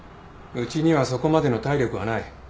うちにはそこまでの体力はない。